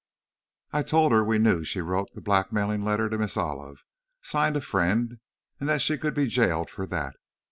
I told her we knew she wrote the blackmailing letter to Miss Olive, signed 'A Friend,' and that she could be jailed for that!